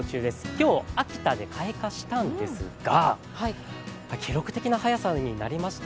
今日、秋田で開花したんですが、記録的な早さになりました。